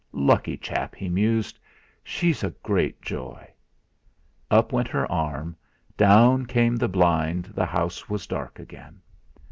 'Lucky chap!' he mused; 'she's a great joy!' Up went her arm, down came the blind the house was dark again.